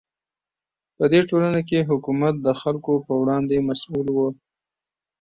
په دې ټولنه کې حکومت د خلکو په وړاندې مسوول و.